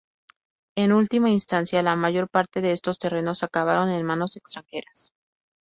En última instancia, la mayor parte de estos terrenos acabaron en manos extranjeras.